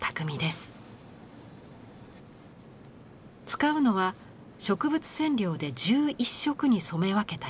使うのは植物染料で１１色に染め分けた糸。